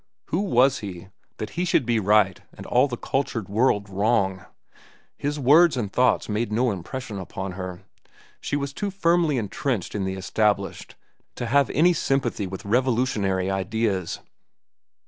Who was he that he should be right and all the cultured world wrong? His words and thoughts made no impression upon her. She was too firmly intrenched in the established to have any sympathy with revolutionary ideas.